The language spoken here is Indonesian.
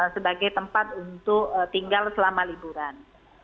sebagai tempat untuk tinggal selama liburan